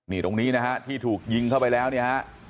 นี่ตรงนี้นะฮะที่ถูกยิงเข้าไปแล้วเนี่ยฮะ